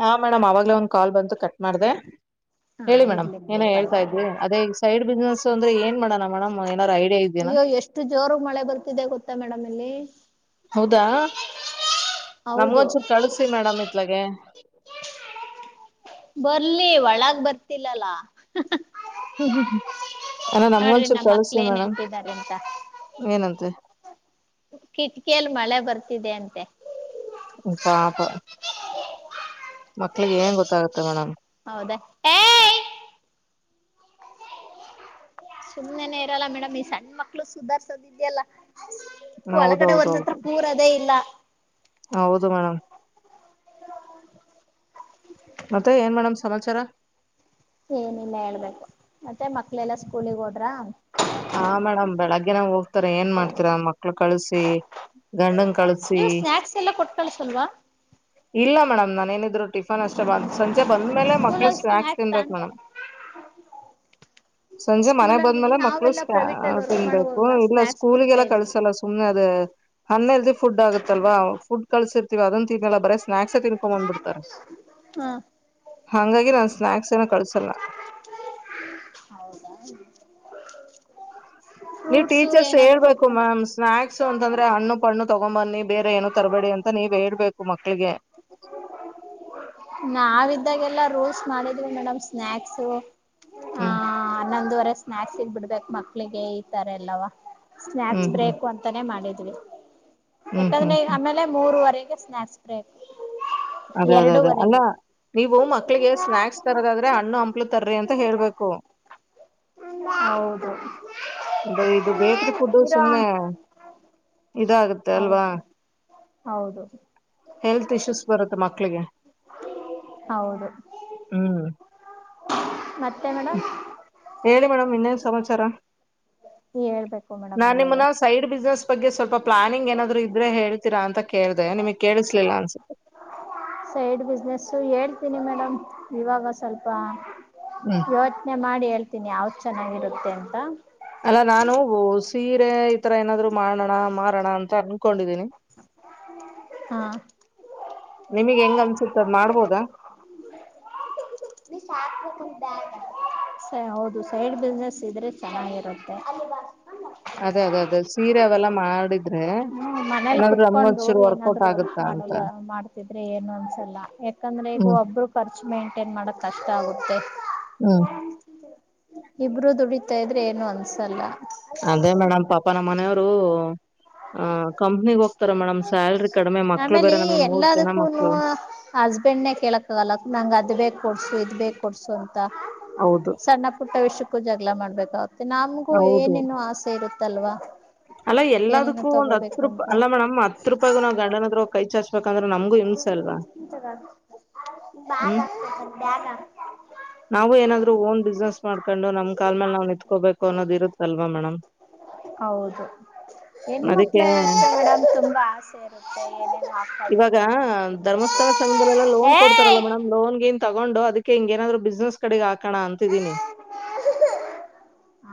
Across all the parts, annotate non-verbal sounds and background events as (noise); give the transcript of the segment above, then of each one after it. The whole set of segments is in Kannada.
ಹಾ ಮೇಡಮ್ ಆವಾಗ್ಲೇ ಒಂದ್ ಕಾಲ್ ಬಂತು ಕಟ್ ಮಾಡ್ದ ಹಾ ಹೇಳಿ ಮೇಡಮ್ ಇರ್ಲಿ ಏನ ಹೇಳ್ತಾ ಪರವಾಗಿಲ್ಲ ಇದ್ರಿ ಅದೇ ಈ ಸೈಡ್ ಬಿಸ್ನೆಸ್ ಅಂದ್ರೆ ಏನ್ ಮಾಡ ಅಯ್ಯೋ ಎಷ್ಟು ಜೋರ್ ಮಳೆ ಬರ್ತಿದೆ ಗೊತ್ತಾ ಮೇಡಮ್ ಇಲ್ಲಿ ಹೌದಾ ಹೌದು ನಮ್ಮಗನ್ ಕಳಸಿ ಮೇಡಮ್ ಇತ್ಲಗೆ. ಬರ್ಲಿ ಒಳಾಗ ಬರ್ತಿಲ್ಲಲ್ಲ. ಹ್ಮ ಹ್ಮ್ ಹ್ಮ್. ಅಲ್ಲ ನೋಡ್ರಿ ನಮಗೊಂದಸೂಲ್ ನಮ್ಮ ಮಕ್ಳು ಕಳಸವಿ ಏನ್ ಮೇಡಮ್ ಹೇಳ್ತಿದ್ದಾರೆ ಅಂತ ಏನಂತೆ. ಕಿಟಕಿಯಲ್ಲಿ ಮಳೆ ಬರ್ತಿದೆ ಅಂತೆ. ಪ್ಪಾಪಾ. ಮಕ್ಳಿಗೆ ಏನ್ ಗೊತ್ತಾಗುತ್ತೆ ಮೇಡಮ್. ಹೌದಾ ಏ. ಸುಮ್ನೆ ಇರಲ್ಲ ಮೇಡಮ್ ಈ ಸಣ್ಣ ಮಕ್ಳು ಸುಧಾರ್ಸೋದ ಇದ್ಯಲ್ಲ. ಒಳಗಡೆ ಒಂದ್ ಹತ್ರ ಹೌದೌದೌದು ಕೂರದೇ ಇಲ್ಲ. ಹೌದು ಮೇಡಮ್ ಮತ್ತೆ ಏನ್ ಮೇಡಮ್ ಸಮಾಚಾರ ಏನಿಲ್ಲ ಹೇಳ್ಬೇಕು ಮತ್ತೆ ಮಕ್ಳೆಲ್ಲಾ ಸ್ಕೂಲಗ್ ಹೋಡ್ರ ಹಾ ಮೇಡಮ್ ಬೆಳಗ್ಗೆನ ಹೋಗ್ತಾರ ಏನ್ ಮಾಡ್ತರ ಮಕ್ಳು ಕಳಸಿ ಗಂಡನ್ ಕಳಸ ನೀವು ಸ್ನಾಕ್ಸ್ ಎಲ್ಲ ಕೊಟ್ ಕಳ್ಸಲ್ವಾ ಇಲ್ಲ ಮೇಡ್ ನ ರು ಟಿಫನ್ ಅಷ್ಟೇ ಬಂದ ಸಂಜೆ ಬಂದ್ಮೇಲೆ ಮಕ್ಳು ಸ್ಕೂಲಲ್ಲಿ ಸ್ನಾಯಕ್ಸ್ ಸ್ನಾಕ್ಸ್ ತಿನ್ಬೇಕು ತಾನೆ ಮೇಡಮ್ ಸಂಜೆ ಮನ ಬಂದ್ ಸ್ಕೂಲಲ್ಲಿ ಮೇಲೆ ಮಕ್ಳು ನಾವೆಲ್ಲಾ ಪ್ರೈವೇಟ್ ಅಲ್ಲಿ ವರ್ಕ್ ತಿನ್ಬೇಕು ಮಾಡುವಾಗ ಇಲ್ಲ ಸ್ನಾಕ್ಸ್ ಕೊಡ್ತಾ ಸ್ಕೂಲ್ಗೆಲ್ಲ ಇದ್ವಿ. ಕಳ್ಸಲ್ಲ ಸುಮ್ನೆ ಅದ ಹನ್ನೆಲ್ಸಿ ಫುಡ್ ಆಗುತ್ತಲ್ವಾ ಫುಡ್ ಕಳಸಿರ್ತೀವಿ ಅದೊನ್ ತಿನ್ನ್ನಲ್ಲ ಬರೇ ಸ್ನಾಕ್ಸ್ ತಿನ್ಕೊಂಬಂದ್ಬಿಡ್ತಾರೆ ಹಾಗಂಗಾಗಿ ನಾನು ಸ್ನ್ಯಾಕ್ಸ್ ನ ಕಳಸಲ್ಲ ಹೌದಾ ಹಾಗ ನೀವ್ ಟೀಚರ್ಸ್ ಹೇಳ್ಬೇಕು ಮ್ಯಾಮ್ ಸ್ನಾಯಕ್ಸ್ ಅಂತಂದ್ರೆ ಹಣ್ಣು ಪಣ್ಣು ತಗೊಂಡ್ ಬನ್ನಿ ಬೇರೆ ಏನು ತರಬೇಡಿ ಅಂತ ನೀವ್ ಹೇಳ್ಬೇಕು ಮಕ್ಳಿಗೆ. ನಾವಿದ್ದಾಗೆಲ್ಲ ರೋ. ಮಾಡಿದ್ವಿ ಮೇಡಮ್ ಸ್ನಾಯಕ್ಸ್ಆ ಹ್ಮ್ ನಂದವರೆ. ಸ್ನಾಕ್ಸ್ ಬಿಡ್ಬೇಕ ಮಕ್ಳಿಗೆ ಈತರ ಅಲ್ಲವಾ ಹ್ಮ್ ಸ್ನಾಯಕ್ಸ್ ಹ್ಮ್ ಬ್ರೇಕ ಅಂತಾನೇ ಮಾಡಿದ್. ಇ (inaudible) ಹ್ಮ್ ಹ್ಮ್ ದಿನೈ ಹ್ಮ್ ಆಮೇಲೆ ಮೂರುವರೆಗೆ ಸ್ನಾಯಾಕ್ಸ್ ಬ್ರೇಕ. ಅದ ಅದ ಅದೇ ಅಲ್ಲ ನೀವು ಮಕ್ಳಿಗೆ ಸ್ನಾಕ್ಸ್ ತರದಾದ್ರೆ ಹಣ್ಣು ಹಂಪ್ಲು ತರ್ರಿ ಅಂತ ಹೇಳ್ಬೇಕು ಹ. ಹೌದು. ಇದು ಬೇಕ್ರಿ ಫುಡ್ಡು ಇರೋ ಸುಮ್ನೆ ಇದಾಗತ್ತೆ ಹೌದು ಅಲ್ವಾ. ಹೌದು ಹೆಲ್ತ್ ಇಶ್ಯೂಸ್ ಬರುತ್ತೆ ಮಕ್ಳಿಗೆ ಹೌದು ಹ್ಮ್ ಮತ್ತೆ ಮೇಡಮ್ ಹೇಳಿ ಮೇಡಮ್ ಇನ್ನೇನ್ ಸಮಾಚಾರ ಹೇಳ್ಬೇಕು ಮೇಡಮ್ ನಾನ ನೀವೇ. ಮನ್ನ ಸೈಡ್ ಬಿಜನೆಸ್ ಬಗ್ಗೆ ಸ್ವಲ್ಪ ಪ್ಲಾನಿಂಗ್ ಏನಾದ್ರು ಇದ್ರೆ ಹೇಳ್ರಾ ಅಂತ ಕೇಳಿದೆ ನಿಮಗ್ ಕೇಳಿಸ್ಲಿಲ್ಲ ಅನ್ಸುತ್ತೆ ಸೈಡ್ ಬಿಸ್ನೆಸ್ಸು ಹೇಳ್ತೀನಿ ಮೇಡಮ್ ಇವಾಗ ಸ್ವಲ್ಪ ಹ್ಮ್ ಯೋಚನೆ ಮಾಡಿ ಎಲ್ ತಿನಿ ಯಾವ್ದು ಚೆನ್ನಾಗಿರುತ್ತೆ ಅಂತ ಅಲ್ಲ ನಾನು ಸೀರೆ ಈತರ ಏನಾದ್ರು ಮಾಡೋಣ ಮಾರೋಣ ಅಂತ ಅನ್ಕೊಂಡಿದೀನಿ ಹಾ ನಿಮಗ್ ಹೆಂಗ್ ಅನ್ಸುತ್ತ ಅದ್ ಮಾಡ್ಬೋದಾ ಸ ಹೌದು ಸೈಡ್ ಬಿಸ್ನೆಸ್ ಇದ್ರೆ ಚೆನ್ನಾಗಿರುತ್ತೆ ಮಾಡಿ ಹ್ಮ ಮನೇಲಿ ಕುೂತ್ಕೊಂಡು ವರ್ಕೌಟ್ ಏನಾದ್ರು ಆಗುತ್ತಾ ಮಾಡ ಅಂತ ಮಾಡ್ತಿದ್ರೆ ಏನು ಅನ್ಸಲ್ಲ ಯಾಕ ಅಂದ್ರೆ ಈಗ ಹ್ಮ್ ಒಬ್ರು ಖರ್ಚು ಮೇಂಟೇನ್ ಮಾಡಕ್ ಕಷ್ಟ ಆಗುತ್ತೆ ಹ್ಮ್ ಇಬ್ರು ದುಡಿತಾ ಇದ್ರೆ ಏನು ಅನ್ಸಲ್ಲ. ಹ. ಕಂಪ್ನಿಗೆ ಹೋಗ್ತಾರ ಮೇಡಮ್ ಸ್ಯಾಲ್ರಿ ಕಡಿಮೆ ಮಕ್ಳು ಆಮೇಲೆ ಬೇರೆ ನಮಗ್ ಮೂರ್ ಜನ ಮಕ್ಳು. ಲ್ಲ ನಂಗ ಅ ಬೇಕು. ಕೊಡ್ಸು ಇದ್ ಬೇ ಕೊಡ್ಸು ಅಂತ ಹೌದು ಸಣ್ಣ ಪುಟ್ಟ ವಿಷಯಕ್ಕೂ ಜಗಳ ಮಾಡ್ಬೇಕು. ಮ ನಮಗೂ ಹೌದು ಏನೇನುಆಸೆ ಇರುತ್ತಲ್ವಾ. ಅಲ್ಲ ಏನೇನು ಎಲ್ಲದಕ್ಕೂ ಒಂದು ತಗೋಬೇಕು ಹತ್ರೂ. ಅಂತ ಅಲ್ಲ ಮೇಡಮ್ ಹತ್ ರೂಪಾಯಿಗು ನಾವವು ಗಂಡನದ್ರ ಕೈ ಚಾಚ್ಬೇಕ ಅಂದ್ರೆ ನಮಗ ಹಿಂಸ ಅಲ್ವಾ. (inaudible) ಬಾಗ ಆಗ್ತನ್ ಬ್ಯಗ. ನಾವು ಏನಾದ್ರು ಓನ್ ಬಿಸ್ನೆಸ್ ಮಾಡ್ಕೊಂಡು ನಮ್ ಕಾಲ್ ಮೇಲೆ ನಾವ್ ನಿತ್ಕೋಬೇಕು ಅನ್ನೋದ ಇರುತ್ತಲ್ವಾ ಮೇಡಮ್ ಹೌದು ಎಮ್ಮತ್ತ ಅದಕ್ಕೆ ಅೆ ಮೇಡಮ್ ತುಂಬಾ ಆಸೆ ಇರುತ್ತೆ ಏನೇನು ಆಾಕ್ತಾಬೇಕು ಇವಾಗ ಏನೇನ ತನ್ಬೇಕು ಧರ್ಮಸ್ಥಳ ಸಂಘದಲ್ಲೆಲ್ಲ ಲೋನ್ ಕೊಡ್ತಾರಲ್ಲ ಮೇಡ್ ಲೋನ್ ನ್ ತೊಂಡು ಅದಕ್ಕೆಂಗ ನ್ರು ಬಿಸ್ನೆಸ್ ಕಡೆಗೆ ಹಾಕಣ ಅಂತಿದೀನಿ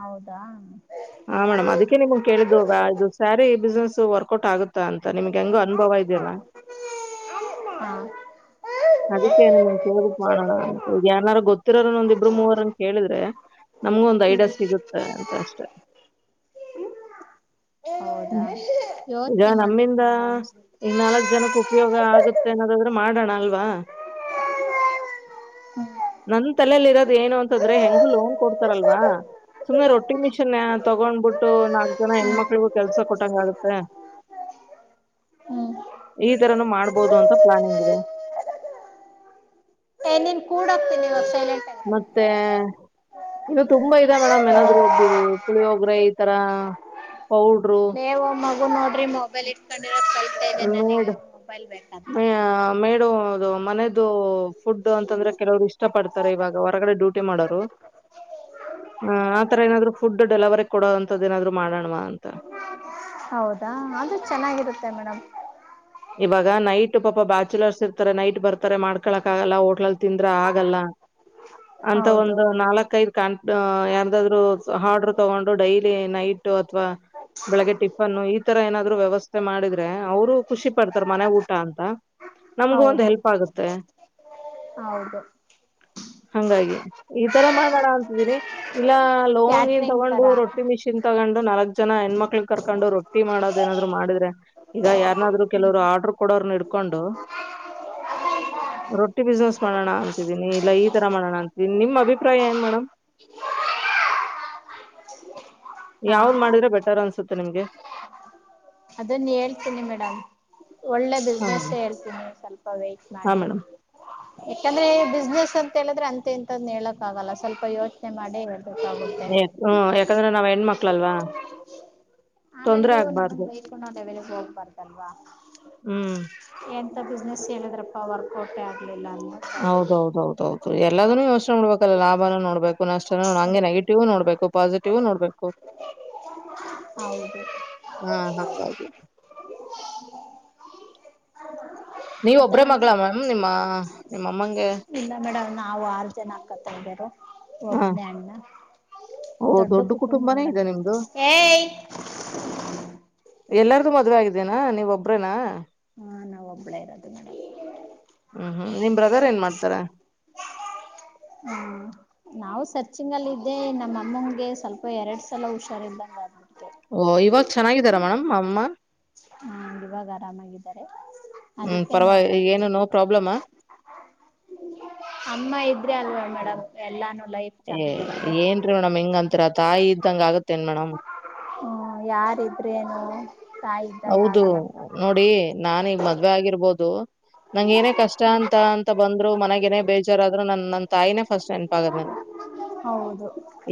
ಹೌದಾ ಹಾ ಮೇಡಮ್ ಅದಕ್ಕೆೇ ನಿಮ್ಗೆ ಕೇಳಿದುದು ಇದು ಸ್ಯಾರಿ ಬಿಸ್ನೆಸ್ ವರ್ಕ್ಟ್ ಆಗುತ್ತಾ ಅಂತ ನಿಮ್ಗೆ ಹೆಂಗ ಅನುಭವ ಆಯ ಲ್ಲ ಹಾ ಅದಕ್ಕೆೇ ನಿಮ್ಮನ್ ಕೇಳ್ಬಿಟ್ ಮಾಡೋಣ ಅಂತ ಈಗ ಯಾರು ಗೊತ್ತಿರೋರನ್ನೊಂದ ಇಬ್ರು ಮೂವರನ್ ಕೇಳಿದ್ರೆ ನಮ್ಗು ಒಂದ್ ಐಡಿಯಾ ಸಿಗುತ್ತೆ ಅಂತ ಹ್ಮ್ ಅಷ್ಟೆ ಹೌದಾ ಹ್ಮ್ ಈಗ ಯೋಚನೆ ಮಾಡ್ಬೇಕು ನಮ್ಮಿಂದ ಮೇಡಮ್ ಹ್ಮ್ ಈ ನಾಲ್ಕ್ ಜನಕ್ ಉಪಯೋಗ ಆಗುತ್ತೆ ಏನಾದಾದ್ರೂ ಮಾಡೋಣ ಅಲ್ವಾ ಹ್ಮ ನನ್ ತಲೆಲಿ ಇರೋದ ಏನು ಅಂತಂದ್ರೆ ಹೆಂಗು ಲೋನ್ ಕೊಡ್ತಾರಲ್ವಾ ಸುಮ್ಮ್ನೆ ರೊಟ್ಟಿ ಮಿಶ ನ್ ತಗೊಂಡ್ಬಿಟ್ಟು ನಾಕ್ ಜನ ಹ್ಮ್ ಹೆಣ್ಮಕ್ಳಿಗೂ ಕೆಲ್ಸ ಕೊಟ್ಟಂಗ ಆಗತ್ತೆ ಹ್ಮ್ ಈ ತರನೂ ಮಾಡ್ಬಹದು ಅಂತ ಪ್ಲಾನಿಂಗ್ ಇದೆ ಏನ್ನ್ ಕೂಡ ಹಕ್ತೀನಿವ ಶೈ ಮತ್ತೆ ಇದು ತುಂಬಾ ಇದ ಮೇಡಮ್ ಏನಾದ್ ಒಬ್ಬ ಕುಳಿ ಹೋಗ್ರೆ ಈತರ ನೀವ್ ಮಗು ನೋಡ್ರಿ ಮೊಬೈಲ್ ಇಟ್ಕೊಂಡಿರ ಕಲ್ಪ ಮೇಡ್ ಮೇ ಮೇಡದು ಮನದು ಫುಡ್ ಅಂತಂದ್ರೆ ಕೆಲವರು ಇಷ್ಟ ಪಡ್ತಾರೆ ಇವಾಗ ಹೊರಗಡೆ ಡ್ಯೂಟಿ ಮಾಡೋರು ಹ ಆತರ ಏನಾದ್ರು ಫುಡ್ ಡೆಲವರಿ ಕೊಡೋಂಂತದ್ದ ನಾದ್ರು ಮಾಡೋಣ ಹೌದಾ ಆದ್ರದು ಚೆನ್ನಾಗಿರುತ್ತೆ ಮೇಡಮ್ ಇವಾಗ ನೈಟ್ ಪಾಪ ಬ್ಯಾಚುಲರ್ಸ್ ಇರ್ತಾರೆ ನೈಟ್ ಬರ್ತಾರೆ ಮಾಡ್ಕೊಳಕ್ ಆಗಲ್ಲ ಹೋಟ್ಲಲ್ ತಿಂದ್ರ ಆಗಲ್ಲ ಅಂತ ಹೌದು ಒಂದ ನಾಲ್ಕ ಐದು ಕಾಣ್ತ ಯಾರದಾದ್ರು ಹಾಡರು ತಗೊಂಡು ಡೈಲಿ ನೈಟ್ ಅಥವಾ ಬೆಳಿಗ್ಗೆ ಟಿಫನ್ನು ಈ ತರ ಏನಾದ್ರು ವ್ಯವಸ್ಥೆ ಮಾಡಿದ್ರೆ ಅವರು ಖುಷಿ ಪಡ್ತಾರ ಮನೆ ಊಟ ಅಂತ ನಮ್ಗು ಒಂದ್ ಹೌದು ಹೆಲ್ಪ್ ಆಗುತ್ತೆ ಹೌದು ಹಂಗಾಗಿ ಈ ತರ ಮಾಡೋಣ ಅಂತಿದೀರಿ ಇಲ್ಲ ಲವಂಗಿನ್ ಕ್ಯಾಟ್ರಿಂಗ್ ತೊಗೊಂಡು ತರ ರೊಟ್ಟಿ ಮಿಷಿನ್ ತಗೊಂಡು ನಾಕ್ ಚನ ಹೆಣ್ಮಕ್ಳಿಗೆ ಕರ್ಕೊಂಡು ರೊಟ್ಟಿ ಮಾಡೋದ್ ನಾದ್ರು ಮಾಡ್ರೆ ಈಗ ಯಾರನಾದ್ರು ಹ್ಮ್ ಕೆಲವರು ಆರ್ಡರ್ ಕೊಡೋರು ಇಡ್ ಕೊಂಡು ರೊಟ್ಟಿ ಬಿಸ್ನೆಸ್ ಮಾಡೋಣ ಅಂತಿದೀನಿ ಇಲ್ಲ ಈ ತರ ಮಾಡೋಣ ಅಂತಿದೀನಿ ನಿಮ್ ಅಭಿಪ್ರಾಯ ಏನ್ ಮೇಡಮ್ ಹೌದು (inaudible) ಹಾ ಯಾವ್ದ್ ಮಾಡಿದ್ರೆ ಬೆಟರ್ ಅನ್ಸುತ್ತೆ ನಿಮ್ಗೆ ಅದನ್ನ ಹೇಳ್ತೀನಿ ಮೇಡಮ್ ಒಳ್ಳೆ ಹಾ ಬಿಸ್ನೆಸ್ ಮೇಡಮ್ ಇರ್ತೀನಿ ಸ್ವಲ್ಪ ವೇಟ ಹಾ ಮಾಡಿ ಮೇಡಮ್ ಯಾಕಂದ್ರೆ ಬಿಸ್ನೆಸ್ ಅಂತ ಹೇಳಿದ್ರೆ ಅಂತೆ ಎಂತದ ಹೇಳಕ್ ಆಗಲ್ಲ ಸ್ವಲ್ಪ ಯೋಚನೆ ಮಾಡೇ ಯ ಹ್ಮ ಯಾಕಂದ್ರೆ ನಾವ್ ಹೆಣ್ಮಕ್ಳಲ್ವಾ ಆಮೇಲೆ ತೊಂದ್ರೆ ನೀವು ನನ್ನನ್ ಆಗ್ಬಾರ್ದು ಬೈಕುಣದ ವಲೆಗ್ ಹೋಗ್ಬಾರ್ದಲ್ವಾ ಹ್ಮ್ ಎ ಇ ಬಿಸ್ನೆಸ್ ಹೇಳಿದ್ರಪ್ಪಾ ವರ್ಕೌಟಟ್ ಆಗಿ ಹೌದೌದೌದೌದು ಎಲ್ಲದನ್ನುೂ ಯೋಚನೆ ಮಾಡ್ಬೇಕಲ್ಲ ಲಾಭನ ನೋಡ್ಬೇಕು ಪುನಃಸ್ ನಂಗೆ ಅದಕ್ಕೆ ನೆಗೆಟಿವ್ ನೋಡ್ಬೇಕು ಪಾಸಿಟಿವ್ ನೋಡ್ಬೇಕು ಹೌದು ಹಾ ಹಾ ನೀವ ಮತ್ತೆ ಒಬ್ರೇ ಮಗಳ ಮೇಡಮ್ ಮ್ಯಾಮ್ ನಿಮ್ಮ ನಿಮ್ಮ ಅಮ್ಮಂಗೆ ಇಲ್ಲ ಮೇಡಮ್ ನಾವು ಆರು ಜನ ಅಕತ್ದೇರ ಹಾ ಒಬನೇ ಅಣ್ಣ ಓ ದೊಡ್ಡ ಕುಟುಂಬ ಕುಟುಂಬನೇ ಮೇಡಮ್ ಇದೆ ನಿಮ್ದ ನಿಮ್ದು ಎಲ್ಲಾರ್ದು ಮದ್ವೆ ಆಗಿದ್ದೇನಾ ನೀವ ಒಬ್ರೇನಾ ನ ಒಂಬಳೇ ಇರ ಅದು ನಡ ಹ್ಮ್ ಹ್ಮ್ ನಿಮ್ ಬ್ರದರ್ ಏನ್ ಮಾಡ್ತಾರ ಹ್ಮ್ ನಾವು ಸರ್ಚಿಂಗ ಅಲ್ಲಿ ಇದಿದ್ದೇ ನಮ್ಮ ಅಮ್ಮಂಗೆ ಸ್ವಲ್ಪ ಎರಡ್ ಸಲ ಹುಷಾರ ಇದ್ದಂಗ ಅ ಓ ಇವಾಗ ಚೆನ್ನಾಗಿದಾರ ಮೇಡಮ್ ಅಮ್ಮ ಹ್ಮ್ ಇವಾಗ ಆರಾಮಾಗಿದ್ದಾರೆ ಹ್ಮ್, ಅದಕ್ಕೆ ಪರವಾಗಿ ನೋಡೋಣ ಏನು ಅಂತ. ನೋ ಪ್ರಾಬ್ಲಮಾ? ಅಮ್ಮ ಇದ್ರೆ ಅಲ್ ಮೇಡಮ ಎಲ್ಲ. ಏ ಏನ್ರೀ ಮೇಡಮ್ ಹಿಂಗಂಂತರ ತಾಯಿ ಇದ್ದಂಗ ಆಗತ್. ಹ್ಮ ಯಾರಿದ್ರೆನು. ಹೌದು ನೋಡಿ ನಾನೀಗ ಮದ್ವೆ ಆಗಿರ್ಬೋದು. ನಂಗ ಏನೇ ಕಷ್ಟ ಅಂತ ಅಂತ ಬಂದ್ರು ಮನಗೇನೇ ಬೇಜಾರ. ಆದ್ರ ನನ್ ನನ್ನ ತಾಯಿನೇ ಫಸ್ಟ್ ನೆಪ ಆಾಗದ ನಾನ ಹೌದು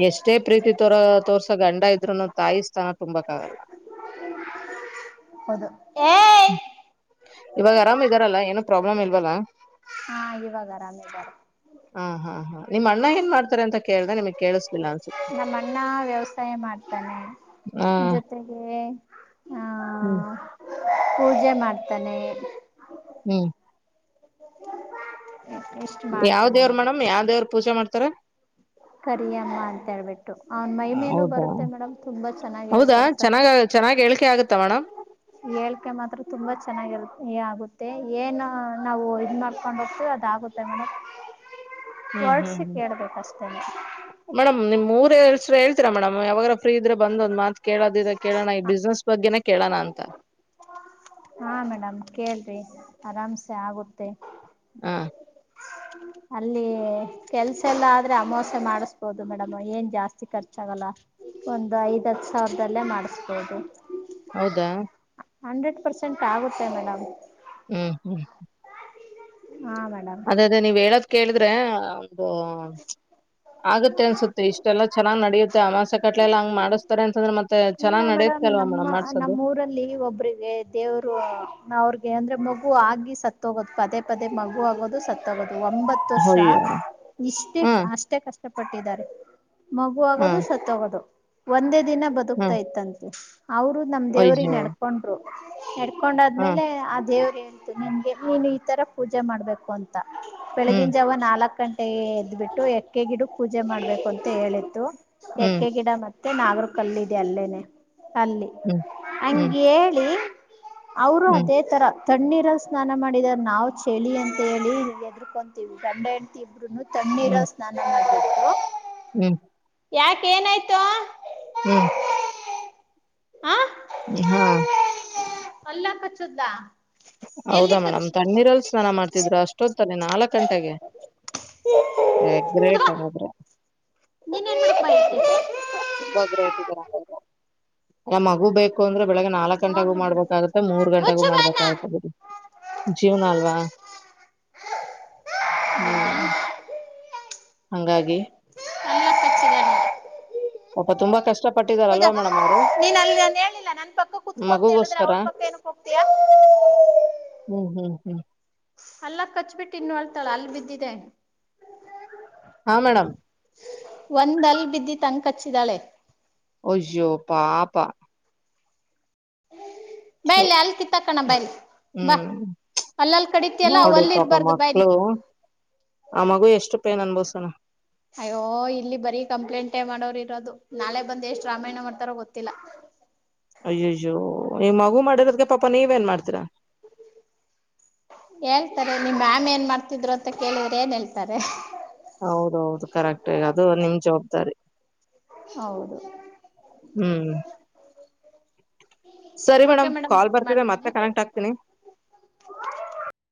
ಎಷ್ಟೇ ಪ್ರೀತಿ ತರೋ. ತೋರ್ಸ ಗಂಡ ಇದ್ರುನು ತಾಯಿ ಸ್ಥಾನ ತುಂಬಕ್ ಆಾಗಲ್ಲ. ಹೌದು ಏಯ (inaudible) ಇವಾಗ ಆರಾಮ್ ಇದಾರಲ್ಲ ಏನೋ ಪ್ರಾಬ್ಲಮ್ ಇಲ್ವಲ್ಲ. ಹಾ ಇವಾಗ ಆರಾಮಿದ್ದಾರೆ. ಹಾ ಹಾ ಹಾ ನಿಮ್ ಅಣ್ಣ ಏನ್ ಮಾಡ್ತಾರೆ ಅಂತ ಕೇಳ್ದ ನಿಮ್ಗ್ ಕೇಳಿಸ್ಲಿಲ್ಲ ಅನ್ಸುತ್ತೆ. ಮಾಡತಾನೆ ಆ! ಜೊತೆಗೆ, ಆ ಹ್ಮ್. ಪೂಜೆ ಮಾಡ್ತಾನೆ. ಹ್ಮ್. ಇಷ್ಟ್ ಯಾವ್ ಮಾಡ್ತಾನೆ ದೇವ್ರರು ಮೇಡಮ್, ಯಾವ್ ದೇವ್ರರು ಪೂಜೆ ಮಾಡ್ತಾರೆ. ಕರಿಯಮ್ಮ ಅಂತ ಹೇಳ್ಬಿಟ್ಟು. ಅವನ್ ಮೈ ಮೇಲ ಹೌದಾ? ಬರುತ್ತೆ ಮೇಡಮ್ ತುಂಬಾ ಚೆನ್ನಾಗಿ ಹೌದಾ? ಹೇಳ್ಕೊಡ್ತಾನೆ. (unintelligible) (unintelligible) ಹೇಳ್ಕೆ ಮಾತ್ರ ತುಂಬಾ ಚೆನ್ನಾಗಿರ ಆಗುತ್ತೆ ಏನ್ ನಾವು ಇದ ಮಾಡ್ಕೊಂಡ. ಅದಾಗುತ್ತೆ ಮೇಡಮ್ ಹ್ಮ್, ಹ್ಮ್, ಹೊರ್ಡ್ಸಿ ಹ್ಮ್. ಕೇಳ್ಬೇಕ ಅಷ್ಟೆ. ಮೇಡಮ್ ನಿಮ್ಊರ್ ಹೆಸರು ಹೇಳ್ತೀರ ಮೇಡಮ್ ಯಾವಾಗಾರ ಫೀ ಇದ್ರ ಬಂದ್ಂದ್ ಮಾತ್ ಕೇಳೋದ ಇದ್ರೆ ಕೇಳೋಣ. ಈ ಬಿಸ್ನೆಸ್, ಸ ಬಗ್ಗೆನೇ ಕೇಳಣ ಅಂತ. ಹಾ ಮೇಡಮ್ ಕೇಳ್ರಿ ಆರಾಮ್ಸೆ ಆಗುತ್ತೆ. ಹಾ, ಅಲ್ಲಿ ಕೆಲ್ಸ ಎಲ್ಲ ಆದ್ರೆ ಅಮವಾಸ್ಯ ಮಾಡಿಸಬೋದು ಮೇಡಮ್ ಏನ್ ಜಾಸ್ತಿ ಖರ್ಚಾಗಲ್ಲ. ಒಂದು ಐದ್ ಹತ್ ಸಾವಿರದಲ್ಲೇ ಮಾಡಿಸಬೋದು. ಹೌದಾ, ಹಂಡ್ರೆಡ್ ಪರ್ಸೆಂಟ್ ಆಗುತ್ತೆ ಮೇಡಮ್. ಹ್ಮ್, ಹ್ಮ್ ಹಾ ಮೇಡಮ್ ಅದ ಅದೇ ನೀವ್ ಹೇಳದ್ ಕೇಳಿದ್ರೆ. ಒಂದು, ಆಗತ್ತೆ ಅನ್ಸುತ್ತೆ ಇಷ್ಟೆಲ್ಲ ಚನ್ನಾಗ್ ನಡೆಯುತ್ತೆ ಆವಾಸ ಕಟ್ಲೆಲ್ಲ ಹಂಗ ಮಾಡಿಸ್ತಾರೆ ಅಂತಂದ್ರೆತ್ತೆ. ಇಲ್ಲ ಮೇಡಮ್ ನಮ್ಮ ನಮ್ಮ ಊರಲ್ಲಿ ಒಬ್ರಿಗೆ ದೇವ್ರು ಅವ್ರಿಗೆ ಅಂದ್ರೆ, ಮ ಮ ಆಗಿ ಸತ್ತುಹೋಗೋಧು ಪದೇ ಪದೇ ಮಗು ಆಗೋದು ಸತ್ತೋಹೊಗೋದು. ಒಂಬತ್ತು ವರ್ಷ ಅಯ್ಯೋ! ಇಷ್ಟೇ ಹ್ಮ್, ಅಷ್ಟೇ ಕಷ್ಟಪಟ್ಟಿದ್ದಾರೆ. ಮಗು ಆಗೋದು ಹ್ಮ್, ಸತ್ತೋಗೋದು ಒಂದೇ ದಿನ ಬದುಕ್ತಾ ಹ್ಮ್. ಇತ್ತಂತ್ತೆ. ಅವರು ನಮ್ ದೇವ್ರ ಅಯ್ಯೋ! ನಡ್ಕೊಂಡರು. ನಡ್ಕೊಂಡ ಹಾ ಆದ್ಮೇಲೆ ಆ ದೇವ್ರ, ನಿಂಗೆ ನೀನು ಈ ತರ ಪೂಜೆ ಮಾಡ್ಬೇಕು ಅಂತ. ಹ್ಮ್, ಬೆಳಗಿನ ಜಾವ ನಾಲ್ಕ ಗಂಟೆ ಎದ್ಬಿಟ್ಟು ಎಕ್ಕೆ ಗಿಡಕೆ ಪೂಜೆ ಮಾಡ್ಬೇಕು ಅಂತ ಹೇಳಿತ್ತು. ಹ್ಮ್, ಎಕ್ಕೆ ಗಿಡ ಮತ್ತೆ, ಮತ್ತೆ ನಾಗ್ರ ಕಲ್ಲಿದೆ ಅಲ್ಲೇನೆ ಅಲ್ಲಿ ಹ್ಮ್, ಹಂಗ ಹ್ಮ್, ಹೇಳಿ. ಅವರು ಹ್ಮ್, ಅದೇ ತರ. ತಣ್ಣೀರಲ್ಲಿ ಸ್ನಾನ ಮಾಡಿದ ನಾವು ಚಳಿ ಅಂತೇಳಿ ಎದ್ರಕೊಂತೀವಿ ಗಂಡ ಹೆಂಡತಿ ಇಬ್ರುನು. ತಣ್ಣೀರ ಹ್ಮ್, ಸ್ನಾನ ಮಾಡ್ಬಟ್ರು. ಹ್ಮ್. ಯಾಕ ಏನಾಯ್ತು. ಹ್ಮ್. ಆ. ಹಾ. ಅಲ್ಲಗ ಕಚ್ಚ್ದ. ಹೌದಾ ಮೇಡಮ್ ತಣ್ಣೀರಲ್ ಸ್ನಾನ ಮಾಡ್ತಿದ್ರು ಅಷ್ಟೊತ್ತ ತಲೆ ನಾಲ್ಕ್ ಗಂಟೆಗೆ, ಹ ಗ್ರೇಟ ಮುದ್ಕೋ, ಹಾಗದ್ರೆ. ಇನ್ನೇನ್ ಮಾಡಕ್ ಬಾಯ್ ಐತಿ? ತುಂಬಾ ಗ್ರೇಟ್ ಇದಾರೆ. ಅಲ್ಲ ಮಗು ಬೇಕು ಅಂದ್ರೆ ಬೆಳಗ್ಗೆ ನಾಲ್ಕ್ ಗಂಟಗೂ ಮಾಡ್ಬೇಕಾಗುತ್ತೆ, ಮೂರ್ ಗಂಟೆಗೂ ಮುಚ್ಚು ಮಾಡ್ಬೇಕಾಗುತ್ತೆ, ಜೀವನಾ ಅಲ್ವಾ ಹ್ಮ್. ಹಂಗಾಗಿ, (unintelligible) ಪಾಪ ತುಂಬಾ ಕಷ್ಟ ಹದಾ ಪಟ್ಟಿದಾರಲ್ವಾ ಮೇಡಮ್ ಅವರು? ನೀನ್ ಅಲ್ಲಿ ನಾನ ಹೇಳಿಲ್ಲ ನನ್ ಪಕ್ಕ ಕುತ್ಕೊಂತ ಹೇಳಿದ್ರೆ ಮಗುಗೋಸ್ಕರ? ಅವಳ ಪಕ್ಕ ಏನಕ್ ಹೋಗ್ತೀಯಾ. ಹ್ಮ್ ಹ್ಮ್. ಹ್ಮ್. ಅಲ್ಲ ಕಚ್ಬಿಟ್ಟ ಇನ್ನು ಅಳ್ತಾಳ ಹಲ್ಲ್ ಬಿದ್ದಿದೆೆ ಹಾ ಮೇಡಮ್ ಒಂದ್ ಹಲ್ ಬಿದ್ದಿತ ಹಂಗ ಕಚ್ಚಿದಾಳೆ ಅಯೋ ಪಾಪಾ ಬಾಯಿಲ ಹಲ್ ಕಿತಾಕಣ ಬಾಯಿಲ್ ಬಾ ಹ್ಮ್. ಹಲ್ಲಲ್ಲಿ ಕಡಿತ ಅಲ್ಲ ಅವು ನೋಡಿ ಹಲ್ಲ ಪಾಪ ಇರ್ಬಾರ್ದು ಬಾಯಿಲಿ ಮಕ್ಳು, ಆ ಮಗು ಎಷ್ಟು ಪೇನ್ ಅನುಭವಿಸೋಣ. ಅಯ್ಯೋ ಇಲ್ಲಿ ಬರಿ ಕಂಪ್ಲೇಂಟ್ ಟ್ಟೆ ಮಾಡೋರು ಇರೋದು ನಾಳೆ ಬಂದ ಎಷ್ಟ್ ರಾಮಾಯಣ ಮಾಡ್ತಾರೋ ಗೊತ್ತಿಲ್ಲ ಅಯ್ಯೋಯ್ಯೋ ಈ ಮಗು ಮಾಡಿರದಕ್ಕೆ ಪಾಪಾ ನೀವೇನ್ ಮಾಡ್ತೀರ ಹೇಳ್ತಾರೆ ನಿಮ್ಮ ಮ್ಯಾಮ ಏನ್ ಮಾಡ್ತಿದ್ರು ಅಂತ ಕೇಳಿದ್ರ ಏನ್ ಹೇಳ್ತಾರೆ ಹೌದೌದು ಕರೆಕ್ಟ್ ಅದು ನಿಮ್ ಜವಾಬ್ದಾರಿ ಹೌದು ಹ್ಮ್ ಸರಿ ಮೇಡಮ್ ಕಾಲ್ ಬರ್ತಿದೆ ಮತ್ತೆ ಕನೆಕ್ಟ್ ಆಗ್ತೀನಿ